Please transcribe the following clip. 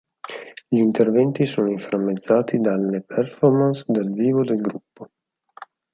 Gli interventi sono inframmezzati dalle "performance" dal vivo del gruppo.